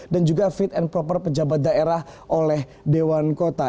dan juga fit and proper pejabat daerah oleh dewan kota